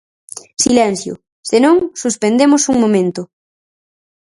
Silencio, se non, suspendemos un momento.